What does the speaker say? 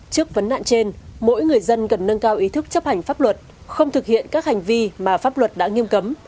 trí thú làm ăn xây dựng cuộc sống thêm ấm no hạnh phúc